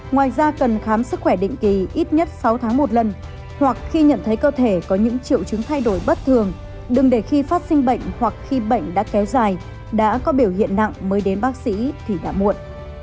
ngoài ra cần khám sức khỏe định kỳ ít nhất sáu tháng một lần hoặc khi nhận thấy cơ thể có những triệu chứng thay đổi bất thường đừng để khi phát sinh bệnh hoặc khi bệnh đã kéo dài đã có biểu hiện nặng mới đến bác sĩ thì đã muộn